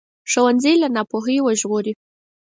ښوونځی له ناپوهۍ وژغوري